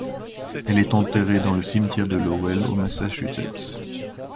Elle est enterrée dans le cimetière de Lowell au Massachusetts.